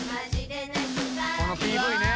このＰＶね。